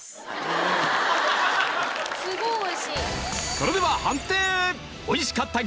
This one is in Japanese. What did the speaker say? それでは判定！